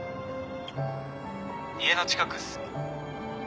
家の近くっす。